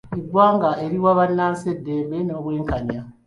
Eggwanga eriwa bannansi eddembe n'obwenkanya.